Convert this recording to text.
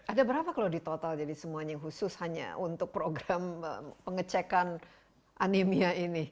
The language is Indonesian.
ada berapa kalau di total jadi semuanya khusus hanya untuk program pengecekan anemia ini